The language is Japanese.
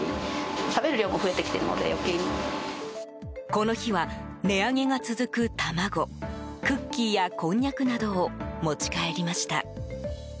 この日は、値上げが続く卵クッキーや、こんにゃくなどを持ち帰りました。